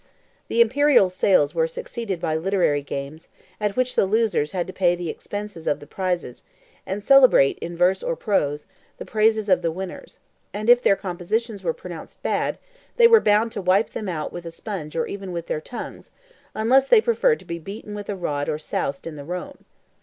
The imperial sales were succeeded by literary games, at which the losers had to pay the expenses of the prizes, and celebrate, in verse or prose, the praises of the winners; and if their compositions were pronounced bad, they were bound to wipe them out with a sponge or even with their tongues, unless they preferred to be beaten with a rod or soused in the Rhone.